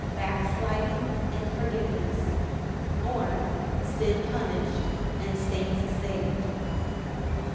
Backsliding and forgiveness; or, Sin punished, and saints saved.